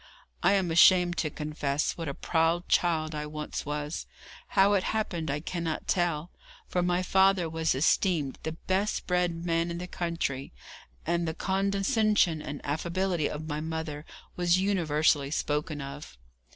I am ashamed to confess what a proud child I once was. How it happened I cannot tell, for my father was esteemed the best bred man in the country, and the condescension and affability of my mother were universally spoken of.